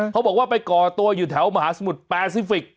เขาบอกว่าไปก่อตัวอยู่แถวมหาสมุทรแปซิฟิกส